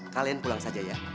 kalian pulang saja ya